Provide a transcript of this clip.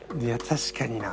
確かにな